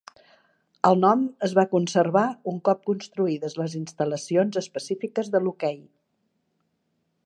El nom es va conservar un cop construïdes les instal·lacions específiques de l'hoquei.